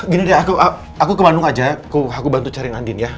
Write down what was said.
gini deh aku ke bandung aja aku bantu cari yang andin ya